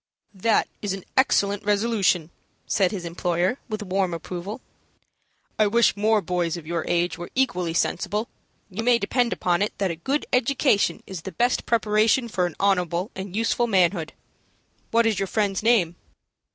"That is an excellent resolution," said his employer, with warm approval. "I wish more boys of your age were equally sensible. You may depend upon it that a good education is the best preparation for an honorable and useful manhood. What is your friend's name?"